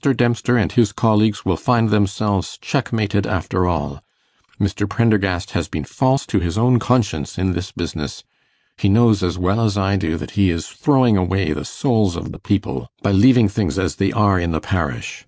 Dempster and his colleagues will find themselves checkmated after all. Mr. Prendergast has been false to his own conscience in this business. He knows as well as I do that he is throwing away the souls of the people by leaving things as they are in the parish.